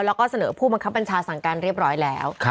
แล้วก็เสนอผู้บังคับบัญชาสั่งการเรียบร้อยแล้ว